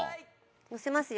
乗せますよ。